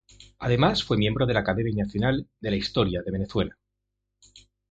Además, fue miembro de la Academia Nacional de la Historia, de Venezuela.